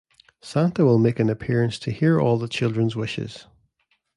Santa will make an appearance to hear all the children's wishes.